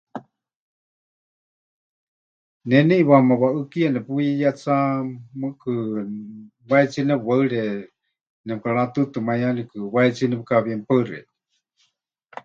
Ne neʼiwaáma waʼɨkiya nepuyeyetsá, mɨɨkɨ wahetsíe nepɨwaɨre, nemɨkaratɨtɨmaiyanikɨ wahetsíe nepɨkawie. Mɨpaɨ xeikɨ́a.